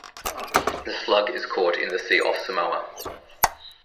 The slug is caught in the sea off Samoa.